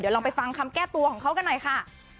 ลองไปฟังคำแก้ตัวของเขากันหน่อยค่ะ